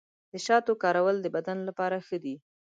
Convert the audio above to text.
د شاتو کارول د بدن لپاره ښه دي.